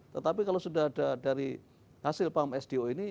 tetapi kalau sudah ada dari hasil paham sdo ini